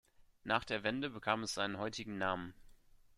Nach der Wende bekam es seinen heutigen Namen.